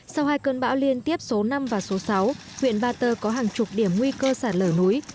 sau hai cơn bão liên tiếp số năm và số sáu huyện ba tơ có hàng chục điểm nguy cơ sạt lở núi